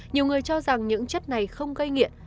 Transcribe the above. nhiều người cho rằng những chất này không gây nghiện